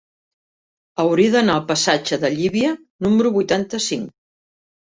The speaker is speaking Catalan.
Hauria d'anar al passatge de Llívia número vuitanta-cinc.